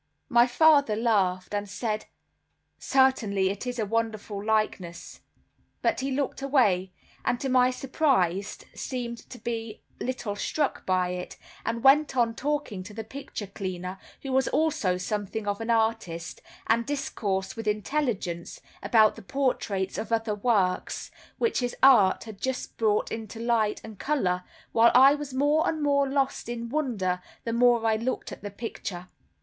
My father laughed, and said "Certainly it is a wonderful likeness," but he looked away, and to my surprise seemed but little struck by it, and went on talking to the picture cleaner, who was also something of an artist, and discoursed with intelligence about the portraits or other works, which his art had just brought into light and color, while I was more and more lost in wonder the more I looked at the picture.